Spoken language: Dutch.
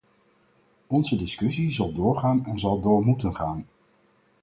Onze discussie zal doorgaan en zal door moeten gaan.